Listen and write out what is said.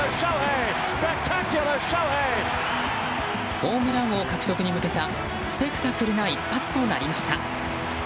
ホームラン王獲得に向けたスペクタクルな一発となりました。